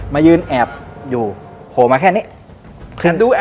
มายืนแอบอยู่โผล่มาแค่นี้